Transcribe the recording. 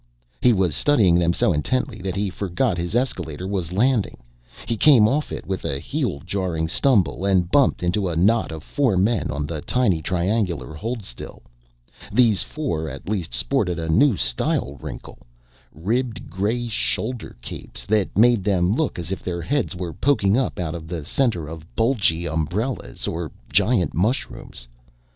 He was studying them so intently that he forgot his escalator was landing. He came off it with a heel jarring stumble and bumped into a knot of four men on the tiny triangular hold still. These four at least sported a new style wrinkle: ribbed gray shoulder capes that made them look as if their heads were poking up out of the center of bulgy umbrellas or giant mushrooms.